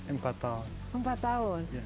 empat tahun empat tahun